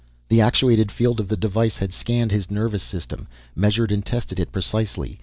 The actuated field of the device had scanned his nervous system, measured and tested it precisely.